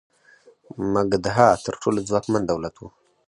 مګدها تر ټولو ځواکمن دولت و.